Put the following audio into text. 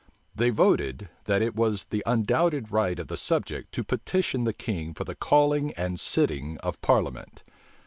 They voted, that it was the undoubted right of the subject to petition the king for the calling and sitting of parliament.